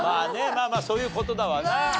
まあまあそういう事だわな。